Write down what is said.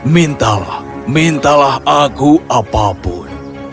mintalah mintalah aku apapun